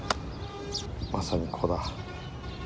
まさにここだ。